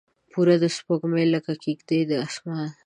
پوره سپوږمۍ لکه کیږدۍ د اسمان